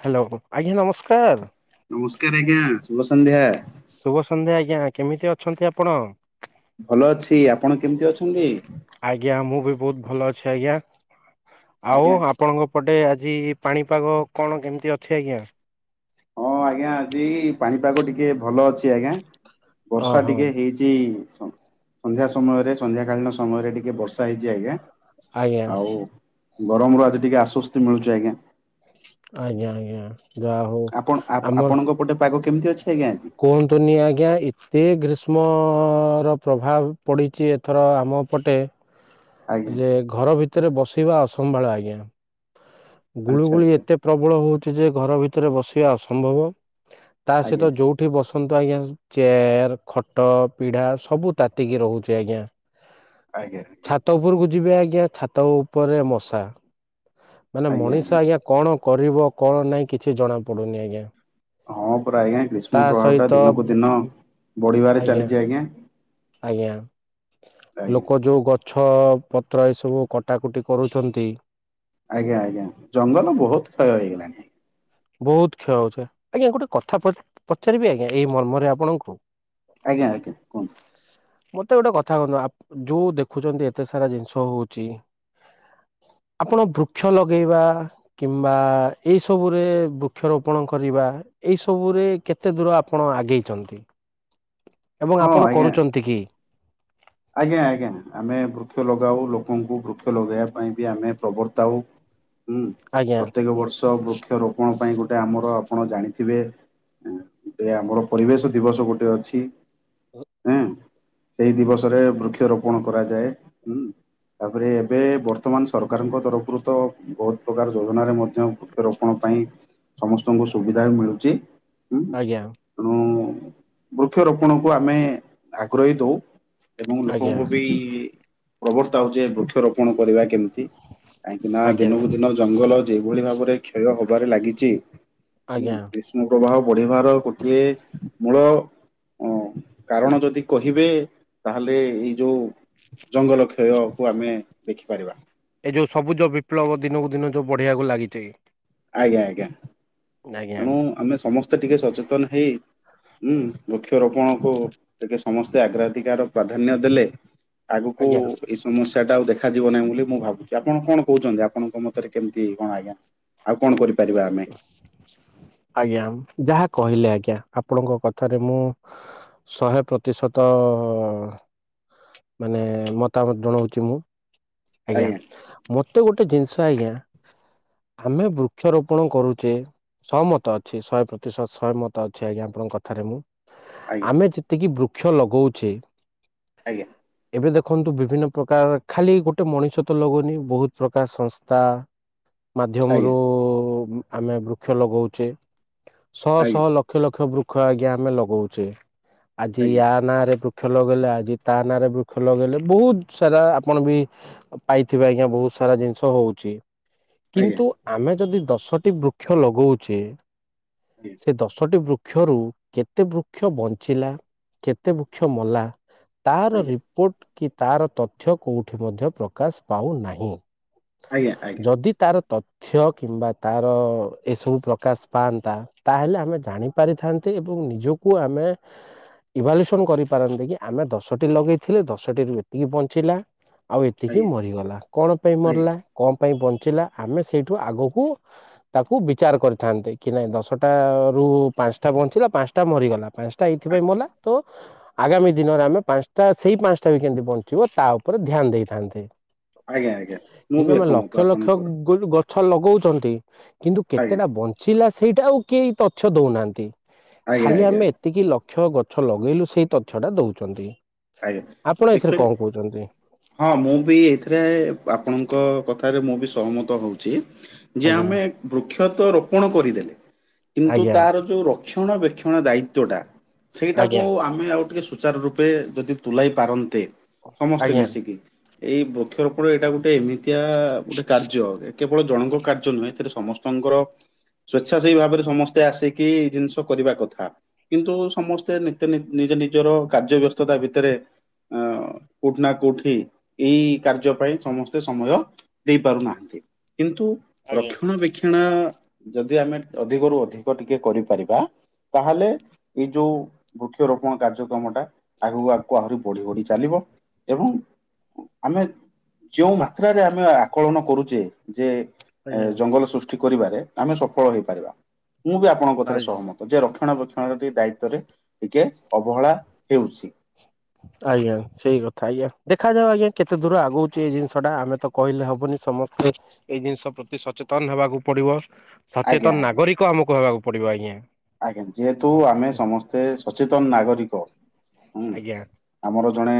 Hello ଆଜ୍ଞା ନମସ୍କାର। ନମସ୍କାର ଆଜ୍ଞା ଶୁଭ ସନ୍ଧ୍ୟା। ଶୁଭସନ୍ଧ୍ୟା ଆଜ୍ଞା କେମିତି ଅଛନ୍ତି ଆପଣ? ଭଲ ଅଛି ଆପଣ କେମିତି ଅଛନ୍ତି? ଆଜ୍ଞା ମୁଁ ବି ବହୁତ ଭଲ ଅଛି ଆଜ୍ଞା । ଆଜ୍ଞା ଆଉ ଆପଣଙ୍କ ପଟେ ଆଜି ପାଣିପାଗ କଣ କେମିତି ଅଛି ଆଜ୍ଞା? ହଁ ଆଜ୍ଞା ଆଜି ପାଣିପାଗ ଟିକେ ଭଲ ଅଛି ଆଜ୍ଞା। ବର୍ଷା ଓହୋ ଟିକେ ହେଇଛି ସନ୍ଧ୍ୟା ସମୟରେ ସନ୍ଧ୍ୟା କାଳୀନ ସମୟରେ ଟିକେ ବର୍ଷା ହେଇଚି ଆଜ୍ଞା ଆଜ୍ଞା ଆଉ ଗରମରୁ ଆଜି ଟିକେ ଆଶ୍ୱସ୍ତି ମିଳୁଛି ଆଜ୍ଞା। ଆଜ୍ଞା ଆଜ୍ଞା ଯାହା ହଉ ଆପଣ ଆପ- ଆମର ଆପଣଙ୍କ ପଟେ ପାଗ କେମିତି ଅଛି ଆଜ୍ଞା ଆଜି? କୁହନ୍ତୁନି ଆଜ୍ଞା ଏତେ ଗ୍ରୀଷ୍ମ ର ପ୍ରଭାବ ପଡ଼ିଛି ଏଥର ଆମ ପଟେ ଆଜ୍ଞା ଯେ ଘର ଭିତରେ ବସିବା ଅସମ୍ଭାଳ ଆଜ୍ଞା ଆଚ୍ଛା ଗୁଳୁଗୁଳି ଆଚ୍ଛା ଏତେ ପ୍ରବଳ ହଉଛି ଯେ ଘର ଭିତରେ ବସିବା ଅସମ୍ଭବ ତା ଆଜ୍ଞା ସହିତ ଯୋଉଠି ବସ ଦେଖନ୍ତୁ ଆଜ୍ଞା ଚେୟାର ଖଟ ପିଢା଼ ସବୁ ତାତିକି ରହୁଛି ଆଜ୍ଞା। ଆଜ୍ଞା ଆଜ୍ଞା। ଯେ ଛାତ ଉପରେ ମଶା ମାନେ ମଣିଷ ଆଜ୍ଞା କଣ କରିବ କଣ ନାହିଁ କିଛି ଜଣାପଡ଼ୁନି ଆଜ୍ଞା। ହଁ ପୁରା ଆଜ୍ଞା ତା ଗ୍ରୀଷ୍ମ ପ୍ରଭାବଟା ସହିତ ଦିନକୁ ଦିନ ବଢିବାରେ ଚାଲିଛି ଆଜ୍ଞା। ଆଜ୍ଞା ଆଜ୍ଞା ଲୋକ ଯୋଉ ଗଛ ଗଛପତ୍ର ଏସବୁ କଟାକୁଟି କରୁଛନ୍ତି ଆଜ୍ଞା ଆଜ୍ଞା ଜଙ୍ଗଲ ବହୁତ କ୍ଷୟ ହେଇଗଲାଣି। ବହୁତ କ୍ଷୟ ହଉଛେ ଆଜ୍ଞା ଗୋଟେ କଥା ପଚାରିବି ଆଜ୍ଞା ଏଇ ମର୍ମରେ ଆପଣଙ୍କୁ ଆଜ୍ଞା ଆଜ୍ଞା କୁହନ୍ତୁ ମତେ ଗୋଟେ କଥା କୁହନ୍ତୁ ଯୋଉ ଦେଖୁଛନ୍ତି ଏତେ ସାରା ଜିନିଷ ହଉଛି ଆପଣ ବୃକ୍ଷ ଲଗେଇବା କିମ୍ବା ଏଇ ସବୁରେ ବୃକ୍ଷରୋପଣ କରିବା ଏଇ ସବୁରେ କେତେ ଦୂର ଆପଣ ଆଗେଇଛନ୍ତି? ଏବଂ ହଁ ଆପଣ ଆଜ୍ଞା କରୁଛନ୍ତି କି? ଆଜ୍ଞା ଆଜ୍ଞା ଆମେ ବୃକ୍ଷ ଲଗାଉ, ଲୋକଙ୍କୁ ବୃକ୍ଷ ଲଗେଇବା ପାଇଁ ବି ଆମେ ପ୍ରବର୍ତ୍ତାଉ। ହୁଁ ଆଜ୍ଞା ପ୍ରତ୍ୟେକ ବର୍ଷ ବୃକ୍ଷ ରୋପଣ ପାଇଁ ଗୋଟେ ଗୋଟେ ଆମର ଆପଣ ଜାଣିଥିବେ ଯେ ଆମର ପରିବେଶ ଦିବସ ଗୋଟେ ଅଛି ହୁଁ ସେଇ ଦିବସ ବୃକ୍ଷରୋପଣ କରାଯାଏଁ ତାପରେ ଏବେ ବର୍ତ୍ତମାନ ସର ସରକାରଙ୍କ ତରଫରୁ ତ ବହୁତ ପ୍ରକାର ଯୋଜନାରେ ମଧ୍ୟ ବୃକ୍ଷରୋପଣ ପାଇଁ ସମସ୍ତଙ୍କୁ ସୁବିଧା ବି ମିଳୁଛି। ହୁଁ ଆଜ୍ଞା। ତେଣୁ ବୃକ୍ଷରୋପଣକୁ ଆମେ ଆଗ୍ରହୀ ଦଉ ଏବଂ ଆଜ୍ଞା ଲୋକଙ୍କୁ ବି ପ୍ରବର୍ତ୍ତାଉ ହଉଛି ବୃକ୍ଷରୋପଣ କରିବା କେମିତି। କାହିଁକି ନା ଆଜ୍ଞା ଦିନକୁ ଦିନ ଜଙ୍ଗଲ ଯେଭଳି ଭାବରେ କ୍ଷୟ ହବାରେ ଲାଗିଛି। ହଁ ଆଜ୍ଞା ଗ୍ରୀଷ୍ମ ପ୍ରଭାବ ବଢିବାର ଗୋଟିଏ ମୂଳ ଅ କାରଣ ଯଦି କହିବେ ତାହେଲେ ଏଇ ଯୋଉ ଜଙ୍ଗଲ କ୍ଷୟକୁ ଆମେ ଦେଖିପାରିବା। ଏ ଯୋଉଁ ସବୁଜ ବିପ୍ଳବ ଦିନକୁ ଦିନ ଯୋଉ ବଢ଼ିବାକୁ ଲାଗିଛି ଆଜ୍ଞା ଆଜ୍ଞା। ଆଜ୍ଞା ତେଣୁ ଆମେ ସମସ୍ତେ ଟିକେ ସଚେତନ ହେଇ ହୁଁ ବୃକ୍ଷରୋପଣକୁ ଟିକେ ସମସ୍ତେ ଆଗ୍ରାଧିକାର ପ୍ରାଧାନ୍ୟ ଦେଲେ ଆଗକୁ ଆଜ୍ଞା ଏଇ ସମସ୍ୟାଟା ଆଉ ଦେଖାଯିବ ନାହିଁ ବୋଲି ମୁଁ ଭାବୁଛି ଆପଣ କଣ କହୁଛନ୍ତି ଆପଣଙ୍କ ମତରେ କେମିତି କଣ ଆଜ୍ଞା ଆଉ କଣ କରିବ? ପାରିିବା ଆମେ? ଆଜ୍ଞା ଯାହା କହିଲେ ଆଜ୍ଞା ଆପଣଙ୍କ କଥାରେ ମୁଁ ଶହେ ପ୍ରତିଶତ ମାନେ ମତାମତ ଜଣାଉଛି ମୁଁ। ଆଜ୍ଞା ମତେ ଗୋଟେ ଜିନିଷ ଆଜ୍ଞା ଆମେ ବୃକ୍ଷରୋପଣ କରୁଛେ ଶହ ମତ ଅଛି ଶହେ ପ୍ରତିଶତ ଶହେ ମତ ଅଛି ଆଜ୍ଞା ଆପଣଙ୍କ କଥାରେ ମୁଁ ଆଜ୍ଞା ଆମେ ଯେତିକି ବୃକ୍ଷ ଲଗଉଛେ ଆଜ୍ଞା। ଏବେ ଦେଖନ୍ତୁ ବିଭିନ୍ନ ପ୍ରକାର ଖାଲି ଗୋଟେ ଗୋଟେ ମଣିଷ ତ ଲଗୁନି ବହୁତ ପ୍ରକାର ସଂସ୍ଥା ଆଜ୍ଞା ମାଧ୍ୟମରୁ ଆମେ ବୃକ୍ଷ ଲଗଉଛେ ଶହ ଶହ ଆଜ୍ଞା ଲକ୍ଷ ଲକ୍ଷ ବୃକ୍ଷ ଆଜ୍ଞା ଆମେ ଲଗଉଛେ। ଆଜ୍ଞା ଆଜି ଆଜ୍ଞା ୟା ନାଁ ରେ ଖେଲଗଲେ ଆଜି ତା ନାଁରେ ବୃକ୍ଷ୍ ଲଗଲେ ବହୁତ ସାରା ଆପଣ ବି ପାଇଥିବା ଆଜ୍ଞା ବହୁତ ସାରା ଜିନିଷ ହଉଛି ଆଜ୍ଞା କିନ୍ତୁ ଆମେ ଯଦି ଦଶ ଦଶଟି ବୃକ୍ଷ ଲଗଉଛେ ସେ ଦଶଟି ବୃକ୍ଷ ବୃକ୍ଷରୁ କେତେ ବୃକ୍ଷ ବଞ୍ଚିଲା କେତେ ବୃକ୍ଷ ମଲା ତାର ରିପୋର୍ଟ କି ତାର ତଥ୍ୟ କୋଉଠି ପ୍ରକାଶ ପାଉନାହି ଆଜ୍ଞା ଆଜ୍ଞା ଆଜ୍ଞା ଆଜ୍ଞା ଯଦି ତାର କ୍ଷ କିମ୍ବା ତାର ଏସବୁ ପ୍ରକାଶ ପାଆନ୍ତା ତାହେଲେ ଆମେ ଜାଣି ପାରିଥାନ୍ତେ ଏବଂ ନିଜକୁ ଆମେ ଇଭଲ୍ୟୁସନ କରିପାରନ୍ତି କି ଆମେ ଦଶଟି ଲଗେଇଥିଲେୁ ଦଶଟିରୁ ଏତିକି ବଞ୍ଚିଲା ଆଉ ଏତିକି ମରିଗଲା କଣ ପାଇଁ ମରିଲା କଣ ବଞ୍ଚିଲା ଆମେ ସେଇଠୁ ଆଗକୁ ତାକୁ ବିଚାର କରିଥା କି ନ ଦଶଟା ୁ ପାଞ୍ଚଟା ବହଞ୍ଚିଲା ପାଞ୍ଚଟା ମରିଗଲା। ପାଞ୍ଚଟା ଏଇଥିପାଇଁ ମଲା ତ ଆଗାମୀ ଦିନରେ ଆମେ ପାଞ୍ଚଟା ସେଇ ପାଞ୍ଚଟା ବି କେମିତି ବଞ୍ଚିବ ତାରେ ଉପରେ ଧ୍ୟାନ ଦେଇଥାନ୍ତ ଆଜ୍ଞା ଆଜ୍ଞା ମୁଁ କିନ୍ତୁ ବି ଆମେ ଏକମତ ଲକ୍ଷ ଲକ୍ଷ ଆପଣଙ୍କର ଗଛ ଲଗାଉଛନ୍ତି କିନ୍ତୁ ଆଜ୍ଞା କେତେଟା ବଞ୍ଚିଲା ସେଇଟା ଆଉ କେହି ତଥ୍ୟ ଦେଉନାହାନ୍ତି। ଆଜ୍ଞା ଖାଲି ଆଜ୍ଞା ଆମେ ଏତିକି ଲକ୍ଷ ଗଛ ଲଗେଇଲୁ ସେହି ତଥ୍ୟଟା ଦେଉଛନ୍ତି। ଆଜ୍ଞା ଆପଣ ଏଥିରେ ଆକ୍ଚୁଆଲି କଣ କହୁଛନ୍ତି। ହଁ ମୁଁ ବି ଏଇଥିରେ ଆପଣଙ୍କ କଥାରେ ମୁଁ ବି ସହମତ ହେଉଛି। ଯେ ଆଜ୍ଞା ଆମେ ବୃକ୍ଷତଃ ରୋପଣ କରିଦେଲେ କିନ୍ତୁ ଆଜ୍ଞା ତାର ଯୋଉ ର ରକ୍ଷଣା ବବେକ୍ଷଣ ଦାୟିତ୍ୱଟା ସେଇଟାକୁ ଆଜ୍ଞା ଆମେ ଆଉ ଟିକେ ସୁଚାର ରୂପେ ଯଦି ତୁଲାଇ ପାରନ୍ତେ ସମସ୍ତେ ଆଜ୍ଞା ମିଶିକି ଏଇ ବୃକ୍ଷରୋପଣ ଏଇଟା ଗୋଟେ ଏମିତିଆ ଗୋଟେ କାର୍ଯ୍ୟ କେବଳ ଜଣଙ୍କ କାର୍ଯ୍ୟ ନୁହେଁ ଏଥିରେ ସମସ୍ତଙ୍କ ଙ୍କର ସ୍ଵେଚ୍ଛା ସେଇ ଭାବରେ ସମସ୍ତେ ଆସିକି ଏଇ ଜିନିଷ କରିବା କଥା କିନ୍ତୁ ସମସ୍ତେ ନିତ୍ୟ ନି ନିଜର କାର୍ଯ୍ୟ ବ୍ୟସ୍ତତା ଭିତରେ ଅ କୋଉଠି ନା କୋଉଠି ଏଇ କାର୍ଯ୍ୟ ପାଇଁ ସମସ୍ତେ ସମୟ ଦେଇ ପାରୁନାହାନ୍ତି। କିନ୍ତୁ ରକ୍ଷଣା ବେକ୍ଷଣା ଯଦି ଆମେ ଅଧିକରୁୁ ଅଧିକ ଟିକେ କରିପାରିବା ତାହେଲେ ଏଇ ଯୋଉ ବୃକ୍ଷ ରୋଗ ଣ କାର୍ଯ୍ୟକ୍ରମ ଟା ଆଗକୁ ଆଗକୁ ଆହୁରି ବଢି ବଢି ଚାଲିବ ଏବଂ ଆମେ ଯୋଉ ମାତ୍ରରେ ଆମେ ଆକଳନ କରୁଛେ ଯେ ଆଜ୍ଞା ଏ ଜଙ୍ଗଲ ସୃଷ୍ଟି କରିବାରେ ଆମେ ସଫଳ ହେଇପାରିବା ମୁଁ ବି ଆପଣଙ୍କ କଥାରେ ଆଜ୍ଞା। ସହମତ ଯେ ର ରଣା ବକ୍ଷଣ ଦାୟିତଵରେ ଟିକେ ଅବହେଳା ହେଉଛି। ଆଜ୍ଞା ସେଇ କଥା ଆଜ୍ଞା ଦେଖାାଯାଉ ଆଜ୍ଞା କେତେ ଦୂର ଆଗଉଛି ଏଇ ଜିନିଷ ଟା ଆମେ ତ କହିଲେ ହବନି। ସମସ୍ତେ ଏଇ ଜିନିଷ ପ୍ରତି ସଚେତନ ହେବାକୁ ପଡିବ। ଆଜ୍ଞା ସଚେତନ ଆଜ୍ଞା ନାଗରିକ ଆମକୁ ହେବାକୁ ପଡିବ ଆଜ୍ଞା। ଆଜ୍ଞା ଯେହେତୁ ଆମେ ସମସ୍ତେ ସଚେତନ ନାଗରିକ ହୁଁ ଆଜ୍ଞା ଆମର ଜଣେ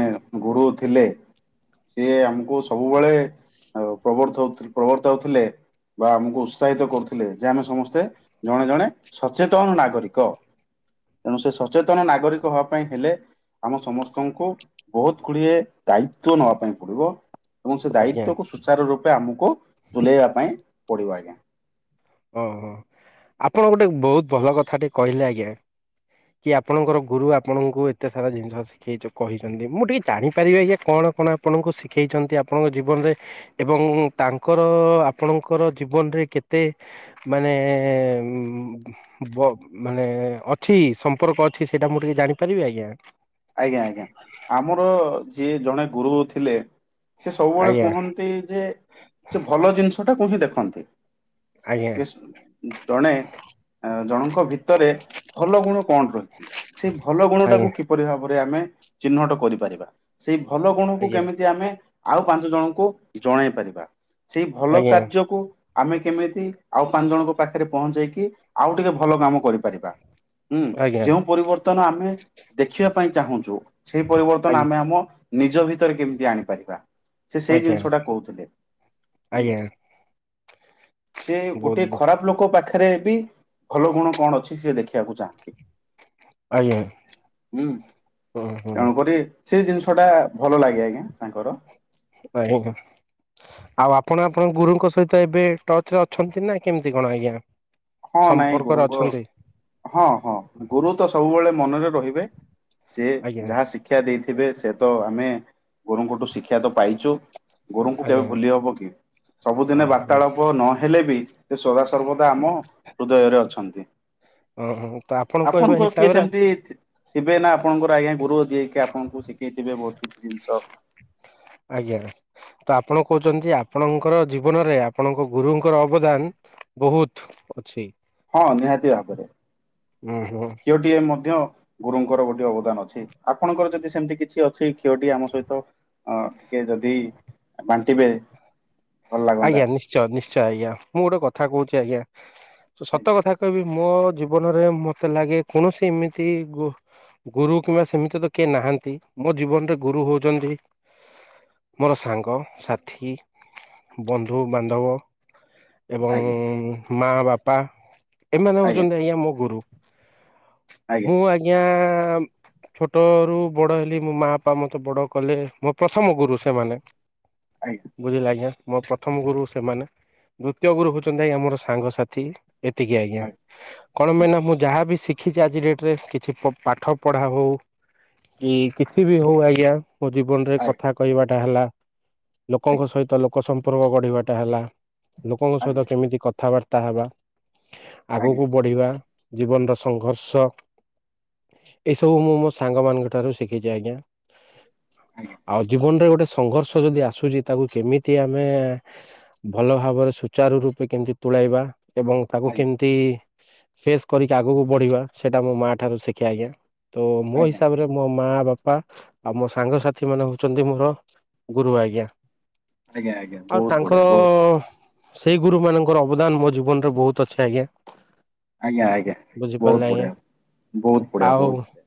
ଗୁରୁ ଥିଲେ। ସିଏ ଆମକୁ ସବୁବେଳେ ପ୍ରବର୍ତଉ ପ୍ରବର୍ତ୍ତଉଥିଲେ ବା ଆମକୁ ଉତ୍ସାହିତ କରୁଥିଲେ ଯେ ଆମେ ସମସ୍ତେ ଜଣେ ଜଣେ ସଚେତନ ନାଗରିକ ତେଣୁ ସେ ସଚେତନ ନାଗରିକ ହବା ପାଇଁ ହେଲେ ଆମ ସମସ୍ତଙ୍କୁ ବହୁତ ଗୁଡିଏ ଦାୟିତ୍ଵ ନବା ପାଇଁ ପଡିବ। ଏବଂ ସେ ଆଜ୍ଞା ଦାୟିତ୍ଵକୁ ସୁଚାର ରୂପେ ଆମକୁ ତୁଲେଇବା ପାଇଁ ପଡିବ ଆଜ୍ଞା। ଓହୋ ଆପଣ ଗୋଟେ ବହୁତ ଭଲ କଥା ଟି କହିଲେ ଆଜ୍ଞା। କି ଆପଣଙ୍କର ଗୁରୁ ଆପଣଙ୍କୁ ଏତେ ସାରା ଜିନିଷ ଶିଖେଇଛ କହିଛନ୍ତି ମୁଁ ଟିକେ ଜାଣିପାରିବି ଆଜ୍ଞା କଣ କଣ ଆପଣଙ୍କୁ ଶିଖେଇଛନ୍ତି ଆପଣଙ୍କ ଜୀବନରେ ଏବଂ ତାଙ୍କର ଆପଣଙ୍କର ଜୀବ ରେ କେତେ ମାନେ ବ ମାନେ ଅଛି ସମ୍ପର୍କ ଅଛି ସେ ଏଟା ମୁଁ ଟିକେ ଜାଣିପାରିବି ଆଜ୍ଞା? ଆଜ୍ଞା ଆଜ୍ଞା ଆମର ଯିଏ ଜଣେ ଗୁରୁ ଥିଲେ ସେ ସବୁବେଳେ ଆଜ୍ଞା କୁହନ୍ତି ଯେ ସେ ଭଲ ଜିନିଷ ଟା କୁ ହିଁ ଦେଖନ୍ତି। ଆଜ୍ଞା ଜଣେ ଆ ଜଣଙ୍କ ଭିତରେ ଭଲ ଗୁଣ କଣ ରହିଛି ସେଇ ଭଲ ଗୁଣ ଟାକୁ ଆଜ୍ଞା କି ଭାବରେ ଆମେ ଚିହ୍ନଟ କରିପାରିବା ସେଇ ଭଲ ଗୁଣକୁ ଆଜ୍ଞା କେମିତି ଆମେ ଆଉ ପାଞ୍ଚ ଜଣଙ୍କୁ ଜଣେଇ ପାରିବା ସେଇ ଭଲ ଆଜ୍ଞା କାର୍ଯ୍ୟକୁ ଆମେ କେମିତି ଆଉ ପାଞ୍ଚ ଜଣଙ୍କ ପାଖରେ ପହଞ୍ଚେଇକି ଆଉ ଟିକେ ଭଲ କାମ କରିପାରିବା। ହୁଁ ଆଜ୍ଞା ଯେଉଁ ପରିବର୍ତ୍ତନ ଆମେ ଦେଖିବା ପାଇଁ ଚାହୁଁଛୁ ସେଇ ପରିବର୍ତ୍ତନ ଆଜ୍ଞା ଆମେ ଆମ ନିଜ ଭିତରେ କେମିତି ଆଣିପାରିବା? ସେ ସେଇ ଆଜ୍ଞା ଜିନିଷ ଟା କହୁଥିଲେ ହୁଁ। ଆଜ୍ଞା ସେ ବହୁତ ଗୋଟେ ବ ଖରାପ ଲୋକ ପାଖ ରେ ବି ଭଲ ଗୁଣ କଣ ଅଛି ସିଏ ଦେଖିବାକୁ ଚାହାନ୍ତି। ଆଜ୍ଞା। ହୁଁ ହୁଁ ହୁଁ ତେଣୁକରି ସେ ଜିନିଷ ଟା ଭଲ ଲାଗେ ଆଜ୍ଞା ତାଙ୍କର। [unintelligible] ଆଉ ଆପଣ ଆପଣଙ୍କ ଗୁରୁଙ୍କ ସହିତ ଏବେ ଟଚ୍ ରେ ଅଛନ୍ତି ନା କେମିତି କଣ ଆଜ୍ଞା? ହଁ ନାଇଁ ସମ୍ପର୍କରେ ଗୁରୁଙ୍କ ଅଛନ୍ତି ହଁ ହଁ ଗୁରୁ ତ ସବୁବେଳେ ମନରେ ରହିବେ। ସିଏ ଆଜ୍ଞା ଯାହା ଶିକ୍ଷା ଦେଇଥିବେ ସେ ତ ଆମେ ଗୁରୁଙ୍କଠୁ ଶିକ୍ଷା ତ ପାଇଛୁ। ଗୁରୁଙ୍କୁ କେବେ ଆଜ୍ଞା ଭୁଲି ହବ କି ସବୁଦିନେ ଓହୋ ବାର୍ତ୍ତାଳାପ ନହେଲେ ବି ସେ ସଦା ସର୍ବଦା ଆମ ହୃଦୟରେ ଅଛନ୍ତି। ଓ ହୋ! ଆପଣଙ୍କର କିଏ ସେମିତି ଥିବେ ନା ଆପଣଙ୍କର ଆଜ୍ଞା ଗୁରୁ ଯିଏ କି ଆପଣଙ୍କୁ ଶିଖେଇଥିବେ ବହୁତ କିଛି ଜିନିଷ। ଆଜ୍ଞା। ତ ଆପଣ କହୁଛନ୍ତି ଆପଣଙ୍କର ଜୀବନରେ ଆପଣଙ୍କ ଗୁରୁଙ୍କର ଅବଦାନ ବହୁତ ଅଛି। ହଁ ନିହାତି ଭାବରେ ଉଁ ହୁଁ ଝିଅଟିଏ ମଧ୍ୟ ଗୁରୁଙ୍କର ଗୋଟିଏଞୋ ଅବଦାନ ଅଛି ଆପଣଙ୍କର ଯଦି ସେମିତି କିଛି ଅଛି କ୍ଷୟଟି ଆମ ସହିତ ଅ କେ ଯଦି ବାଣ୍ଟିବେ ଭଲ ଲାଗନ୍ତା ଆଜ୍ଞା ନିଶ୍ଚୟ ନିଶ୍ଚୟ ଆଜ୍ଞା ମୁଁ ଗୋଟେ କଥା କହୁଛି ଆଜ୍ଞା ସତ କଥା କହିବି। ମୋ ଜୀବନରେ ମୋତେ ଲାଗେ କୌଣସି ଏମିତି ଗୁ ଗୁରୁ କିମ୍ବା ସେମିତି ତ କିଏ ନାଁ ଥାନ୍ତି ମୋ ଜୀବନରେ ଗୁରୁ ହୋଉଛନ୍ତି ମୋର ସାଙ୍ଗ ସାଥି। ବନ୍ଧୁବାନ୍ଧବ ଏବଂ ଆଜ୍ଞା ମା ବାପା। ଏମାନେ ହଉଛନ୍ତି ଆଜ୍ଞା ମୋ ଗୁରୁ। ମୁଁ ଆଜ୍ଞା ଆମ୍ଓଓ ଛୋଟ ରୁ ବଡ ହେଲି ମୋ ମା ପା ମତେ ବଡ କଲେ ମୋ ପ୍ରଥମ ଗୁରୁ ସେମାନେ। ଆଜ୍ଞା ବୁଝିଲ ଆଜ୍ଞା। ମୋ ପ୍ରଥମ ଗୁରୁ ସେମାନେ ଦ୍ଵିତୀୟ ଗୁରୁ ହଉଛନ୍ତି ଆଜ୍ଞା ମୋର ସାଙ୍ଗସାଥି। ଏତିକି ଆଜ୍ଞା କଣ ପାଇଁନା ମୁଁ ଯାହାବି ଶି ଖିଛି ଆଜି ଡେଟ ରେ କିଛି ପ ପାଠ ପଢା ହଉ କି କିଛି ବି ହଉ ଆଜ୍ଞା ମୋ ଜୀବନରେ ଆଜ୍ଞା କଥା କହିବାଟା ହେଲା ଲୋକଙ୍କ ସହିତ ଲୋକ ସମ୍ପର୍କ ଗଢ଼ିବାଟା ହେଲା ଲୋକଙ୍କ ସହିତ ଆଜ୍ଞା କେମିତି କଥାବାର୍ତ୍ତା ହେବା ଆଜ୍ଞା ଆଗକୁ ବଢିବା ଜୀବନର ସଂଘର୍ଷ ଏଇସବୁ ମୁଁ ମୋ ସାଙ୍ଗ ମାନଙ୍କ ଠାରୁ ଶିଖିଛି ଆଜ୍ଞା। ଆଜ୍ଞା ଆଜ୍ଞା ଆଉ ଜୀବନରେ ଗୋଟେ ସଂଘର୍ଷ ଯଦି ଆସୁଛି ତାକୁ କେମିତି ଆମେ ଭଲ ଭାବରେ ସୁଚାରୁ ରୂପେ କେମତି ତୁଳେଇବା। ଏବଂ ତାକୁ ଆଜ୍ଞା କେମିତି ଫେସ୍ କରିକି ଆଗକୁ ବଢିବା ସେଇଟା ମୋ ମା ଠାରୁ ଶିଖେ ଆଜ୍ଞା । ତ ମୋ ଆଜ୍ଞା ହିସାବରେ, ମୋ ମା ବାପା ହିଁ ମୋ ପାଇଁ ସବୁଠାରୁ ବଡ଼ ଆଧାର ଏବଂ ପ୍ରେରଣା। ବାପା ଆଉ ମୋ ସାଙ୍ଗ ସାାଥି ମାନେ ହଉଛନ୍ତି ମୋର ଗୁରୁ ଆଜ୍ଞା । ଆଜ୍ଞା ଆଜ୍ଞା ଆଉ ବହୁତ ତାଙ୍କର ବଢିଆ ବହୁତ ସେଇ ଗୁରୁ ମାନଙ୍କର ଅବଦାନ ମୋ ଜୀବନ ରେ ବହୁତ ଅଛି ଆଜ୍ଞା । ଆଜ୍ଞା ଆଜ୍ଞା ଆା ବହୁତ ବଢିଆ ବହୁତ ବଢିଆ ଆଉ ବହୁତ ବଢିଆ ।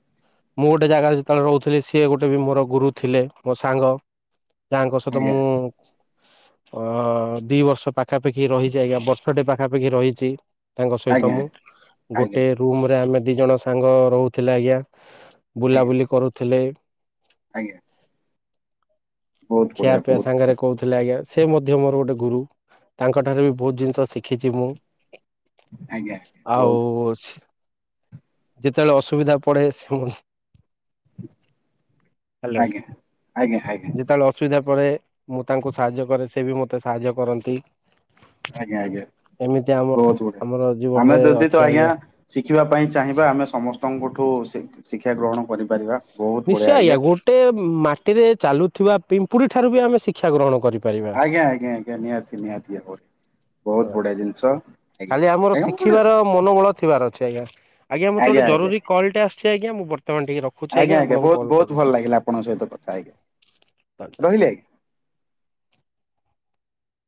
ମୁଁ ଗୋଟେ ଜାଗାରେ ଯେତେବେଳେ ରହୁଥିଲି। ସିଏ ଗୋଟେ ବି ମୋର ଗୁରୁ ଥିଲେ ମୋ ସାଙ୍ଗ । ଯାହାଙ୍କ ସହିତ ମୁଁ ସବୁବେଳେ ରହିବାକୁ ଏବଂ ଆଜ୍ଞା ସମୟ ବିତାଇବାକୁ ଭଲ ପାଏ। ଅ ଦି ବର୍ଷ ପାଖାପାଖି ରହିଛି ଆଜ୍ଞା ବର୍ଷ ଟେ ପାଖାପାଖି ରହିଛି । ତାଙ୍କ ସହିତ ଆଜ୍ଞା ମୁଁ ଆଜ୍ଞା ଗୋଟେ ରୁମ ରେ ଆମେ ଦି ଜଣ ସାଙ୍ଗ ରହୁଥିଲେ ଆଜ୍ଞା । ଆଜ୍ଞା ବୁଲାବୁଲି କରୁଥିଲେ । ଆଜ୍ଞା । ଖିଆ ପିଆ ସାଙ୍ଗରେ ବଢିଆ କହୁଥିଲେ ଆଜ୍ଞା । ସେ ମଧ୍ୟ ମୋର ଗୋଟଏ ଗୁରୁ । ତାଙ୍କଠାରୁ ବି ବହୁତ ଜିନିଷ ଶିଖିଛି ମୁଁ ଆଜ୍ଞା ଆଜ୍ଞା । ଆଉ ବହୁତ ବଢିଆ । ଯେତେବେଳେ ଅସୁବିଧା ପଡ଼େ ସେମାନେ ସାହାଯ୍ୟ କରନ୍ତି। ଆଜ୍ଞା ଆଜ୍ଞା ଆଜ୍ଞା । ଆସିଲା ପରେ ମୁଁ ତାଙ୍କୁ ସାହାଯ୍ୟ କରେ ସେ ବି ମୋତେ ସାହାଯ୍ୟ କରନ୍ତି। ଆଜ୍ଞା ଆଜ୍ଞା ଏମିତି ଆମ । ବହୁତ ଗୁଡଆ ଆମର ଆମେ ଜୀବନରେ ଯଦି ଅଛି ତ ଆଜ୍ଞା ଶିଖିବା ପାଇଁ ଚାହିଁବା ଆମେ ସମସ୍ତେ । ସମସ୍ତଙ୍କଠୁ ଶିକ୍ଷା ଗ୍ରହଣ କରିପାରିବା । ନିଶ୍ଚୟ ଆଜ୍ଞା ଗୋଟେ ମାଟିରେ ଚାଲୁଥିବା ପିମ୍ପୁଡି ଠାରୁ ବି ଆମେ ଶିକ୍ଷା ଗ୍ରହଣ କରିପାରିବା। ଆଜ୍ଞା ଆଞା ଆଜ୍ଞା ନିହାତି ନିହାତି ଆଉ। ଖାଲି ଆମର ଆଜ୍ଞା ମୁଁ ଗୋଟେ ଶିଖିବାର ମନୋବଳ ଥିବାର ଅଛି । ଆା ଆ ଆଛା ମୋତ ଆଜ୍ଞା ଗୋ ଆଜ୍ଞା ଜରୁରୀ କଲଟା ଆସିଛି ଆଜ୍ଞ ମୁଁ ବର୍ତମାନ ଟିକେ ରଖଛି। ଆଜ୍ଞା ଆଜ୍ଞା ବହୁତ ବହୁତ ଭଲ ଲାଗିଲା। ଆପଣଙ୍କ ସହିତ କଥା ଧନ୍ୟବାଦ। ଆଜ୍ଞା ରହିଲି ଆଜ୍ଞା। [inaudible]